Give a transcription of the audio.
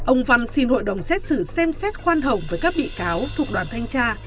ông văn xin hội đồng xét xử xem xét khoan hồng với các bị cáo thuộc đoàn thanh tra